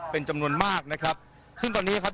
เป็นจำนวนมากนะครับซึ่งตอนนี้ครับ